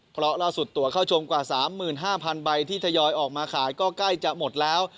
เพราะล่าสุดตัวเข้าชมกว่า๓๕๐๐๐ใบที่ทยอยออกมาขายก็ใกล้จะหมดแล้ว